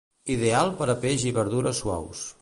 Ideal per a peix i verdures suaus.